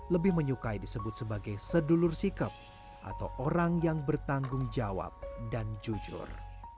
lebih menyukai disebut sebagai sedulur sikap atau orang yang bertanggung jawab dan jujur